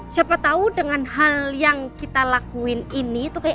siapa tau dengan hal yang kita lakuin ini tuh kayak